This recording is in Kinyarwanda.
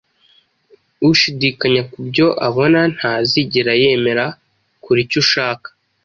Ushidikanya kubyo abona Ntazigera yemera, kora icyo ushaka.